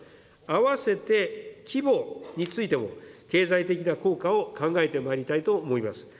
併せて規模についても、経済的な効果を考えてまいりたいと思います。